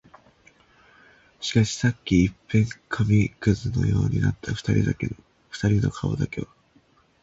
しかし、さっき一片紙屑のようになった二人の顔だけは、